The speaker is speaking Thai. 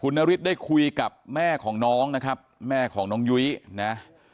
นฤทธิ์ได้คุยกับแม่ของน้องนะครับแม่ของน้องยุ้ยนะ